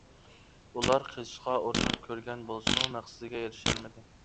ئۇلار قېچىشقا ئۇرۇنۇپ كۆرگەن بولسىمۇ، مەقسىتىگە ئېرىشەلمىدى.